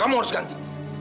kamu harus ganti